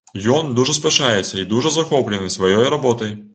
Ён дужа спяшаецца і дужа захоплены сваёй работай.